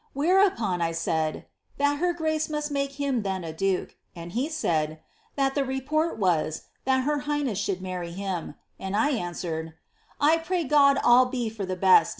Whereupon 1 ^>aid, * that her grace 9iu<t make liiin then a duke;* and he said, *that the report was, tint her high !K4S should marry him ;* and I answered, * I pray God all be for the be^st.